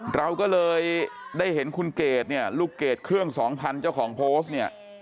เราก็เลยได้เห็นคุณเกดเนี่ยลูกเกดเครื่องสองพันเจ้าของโพสต์เนี่ย